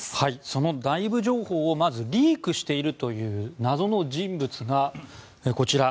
その内部情報をリークしているという謎の人物がこちら